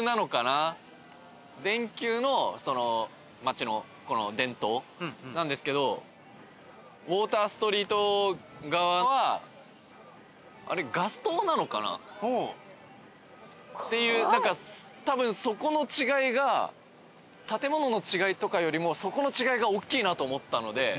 電球のその街の電灯なんですけどウォーターストリート側はあれガス灯なのかな？っていう何かたぶんそこの違いが建物の違いとかよりもそこの違いがおっきいなと思ったので。